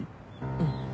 うん。